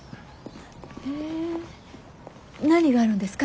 へぇ何があるんですか？